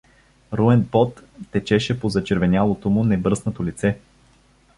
Руен пот течеше по зачервенялото му небръснато лице.